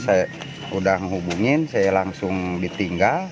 saya sudah menghubungin saya langsung ditinggal